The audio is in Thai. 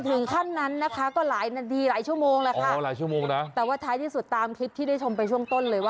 เออจะได้ไหม